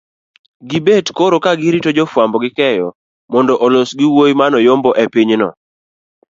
gibet koro ka girito jofwambo gi keyo mondo olos gi wuoyimanoyomboepinyno